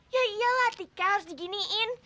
ya iyalah tika harus diginiin